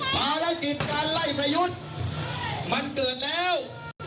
ภารกิจการไล่ประยุทธ์มันเกิดแล้ว